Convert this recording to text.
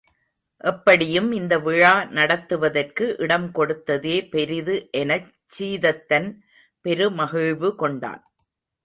எப்படியும் இந்த விழா நடத்துவதற்கு இடம் கொடுத்ததே பெரிது எனச் சீதத்தன் பெருமகிழ்வு கொண்டான்.